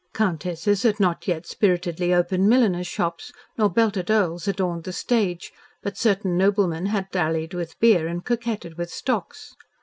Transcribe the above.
Countesses had not yet spiritedly opened milliners' shops, nor belted Earls adorned the stage, but certain noblemen had dallied with beer and coquetted with stocks.